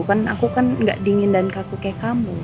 kan aku kan gak dingin dan kaku kayak kamu